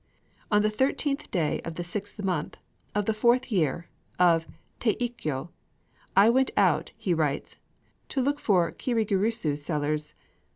"On the thirteenth day of the sixth month of the fourth year of Teikyo , I went out," he writes, "to look for kirigirisu sellers.